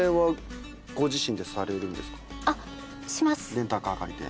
レンタカー借りて。